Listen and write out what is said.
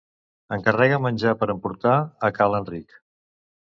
Encarrega menjar per emportar a Ca l'Enric.